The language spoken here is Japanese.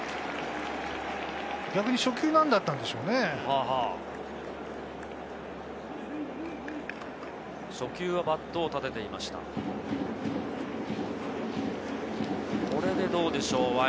逆に初球はなんだったんでしょうね。